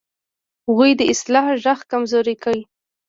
هغوی د اصلاح غږ کمزوری کړ.